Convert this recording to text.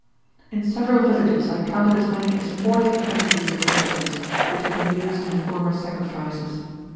In several villages I counted as many as fourteen effigies of elephants, which had been used in former sacrifices.